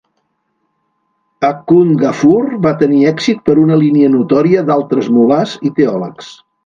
Akhund Ghaffur va tenir èxit per una línia notòria d'altres "mullahs" i teòlegs.